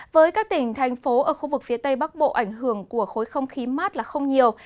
với các tỉnh thành phố ở khu vực phía tây bắc bộ ảnh hưởng của khối không khí mát là không nhiều